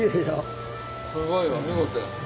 すごいわ見事やわ。